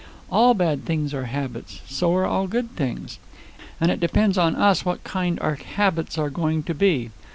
"All bad things are habits. And so are all good things. And it depends on us what kind our habits are going to be.